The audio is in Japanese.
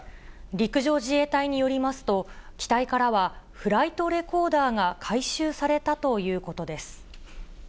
陸上自衛隊によりますと、機体からはフライトレコーダーが回収されたということです。